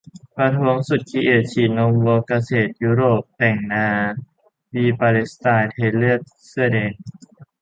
ประท้วงสุด 'ครีเอท' : ฉีดนมวัว-เกษตรกรยุโรป แต่งนา'วี-ปาเลสไตน์ เทเลือด-เสื้อแดง